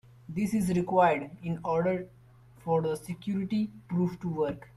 This is required in order for the security proof to work.